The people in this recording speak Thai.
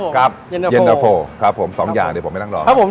ครับครับครับสองอย่างเดี๋ยวผมไปนั่งรอครับครับผม